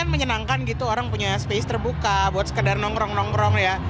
menyenangkan gitu orang punya space terbuka buat sekedar nongkrong nongkrong ya